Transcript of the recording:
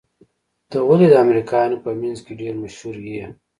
ته ولې د امريکايانو په منځ کې ډېر مشهور يې؟